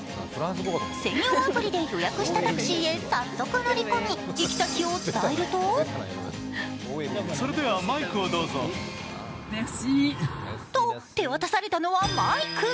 専用アプリで予約したタクシーへ早速乗り込み、行き先を伝えるとと手渡されたのはマイク。